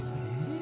え？